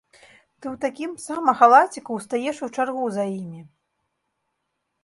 Ты ў такім сама халаціку ўстаеш у чаргу за імі.